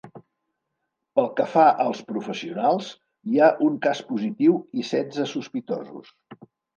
Pel que fa als professionals, hi ha un cas positiu i setze sospitosos.